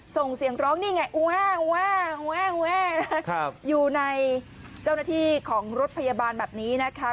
ส่งเสียงร้องนี่ไงอยู่ในเจ้าหน้าที่ของรถพยาบาลแบบนี้นะคะ